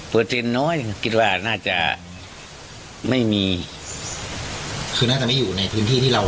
เปอร์เทรนด์น้อยกินว่าน่าจะไม่มีคือน่าจะไม่อยู่ในพื้นที่ที่เรา